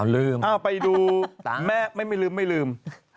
ลืมไปดูแม่ไม่ลืมไม่ลืม